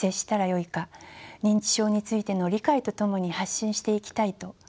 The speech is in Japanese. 認知症についての理解とともに発信していきたいと。